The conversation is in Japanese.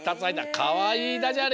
かわいいダジャレ。